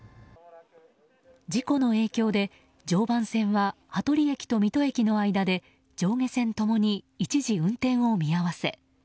事故の影響で常磐線は羽鳥駅と水戸駅の間で上下線共に一時運転を見合わせ。